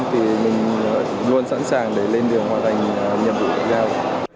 thì mình luôn sẵn sàng để lên đường hoạt hành nhiệm vụ tổng giao